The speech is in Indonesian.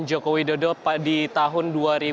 jokowi dodo di tahun